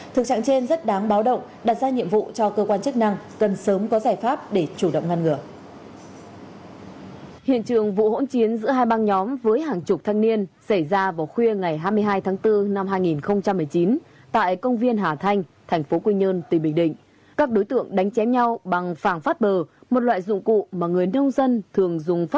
thực trạng trên rất đáng báo động đặt ra nhiệm vụ cho cơ quan chức năng cần sớm có giải pháp để chủ động ngăn ngừa